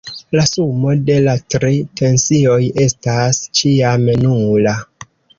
La sumo de la tri tensioj estas ĉiam nula.